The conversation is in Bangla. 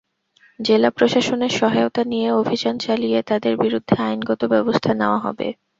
জেলা প্রশাসনের সহায়তা নিয়ে অভিযান চালিয়ে তাঁদের বিরুদ্ধে আইনগত ব্যবস্থা নেওয়া হবে।